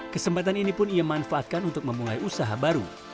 kesempatan ini pun ia manfaatkan untuk memulai usaha baru